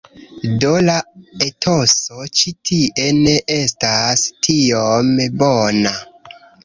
Do, la etoso ĉi tie ne estas tiom bona